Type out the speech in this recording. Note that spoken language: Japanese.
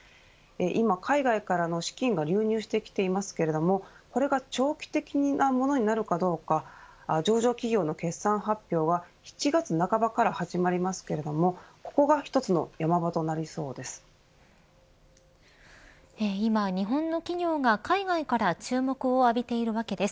今、海外からの資金が流入してきていますがこれが長期的なものになるかどうか上場企業の決算発表は７月半ばから始まるのでここが１つの今、日本の企業が海外から注目を浴びているわけです。